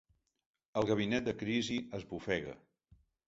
El gabinet de crisi esbufega.